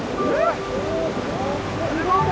すごい！